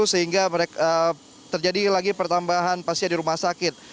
sehingga terjadi lagi pertambahan pasien di rumah sakit